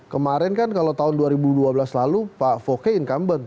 kemarin kan kalau tahun dua ribu dua belas lalu pak fokke incumbent